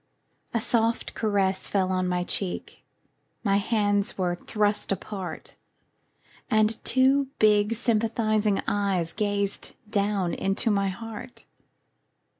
A soft caress fell on my cheek, My hands were thrust apart. And two big sympathizing eyes Gazed down into my heart.